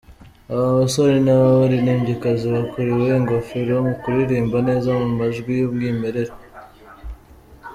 Aba basore n'aba baririmbyikazi bakuriwe ingofero mu kuririmba neza mu majwi y'umwimerere.